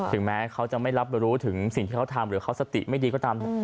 ถึงแม้เขาจะไม่รับรู้ถึงสิ่งที่เขาทำหรือเขาสติไม่ดีก็ตาม